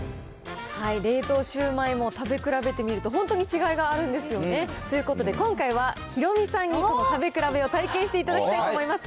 冷凍シュウマイも食べ比べてみると、本当に違いがあるんですよね。ということで今回は、ヒロミさんにこの食べ比べを体験していただきたいと思います。